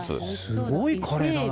すごいカレーだな。